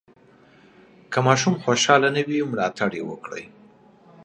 که ماشوم خوشحاله نه وي، ملاتړ یې وکړئ.